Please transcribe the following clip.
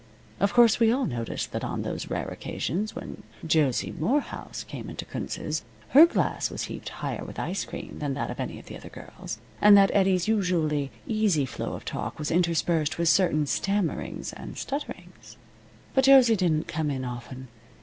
Of course we all noticed that on those rare occasions when Josie Morehouse came into Kunz's her glass was heaped higher with ice cream than that of any of the other girls, and that Eddie's usually easy flow of talk was interspersed with certain stammerings and stutterings. But Josie didn't come in often.